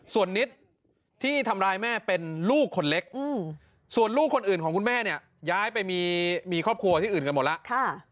ส่วนนิดที่ทำร้ายแม่เป็นลูกคนเล็กส่วนลูกคนอื่นของคุณแม่เนี่ยย้ายไปมีครอบครัวที่อื่นกันหมดแล้ว